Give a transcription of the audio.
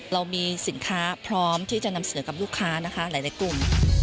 เรามีสินค้าพร้อมที่จะนำเสนอกับลูกค้านะคะหลายกลุ่ม